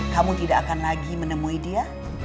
kamu tidak akan lagi menemui dia